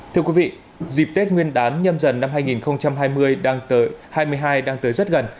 thưa quý vị dịp tết nguyên đán nhâm dần năm hai nghìn hai mươi đang tới rất gần